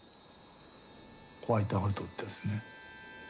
ホワイトアウトってやつでね